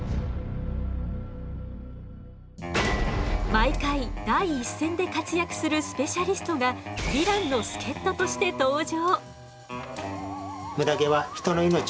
毎回第一線で活躍するスペシャリストがヴィランの助っととして登場。